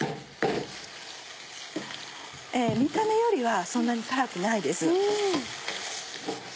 見た目よりはそんなに辛くないです。